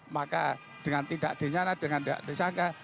maka dengan tidak dinyala dengan tidak tersangka